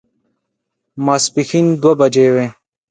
ماسپښين دوه بجې وې.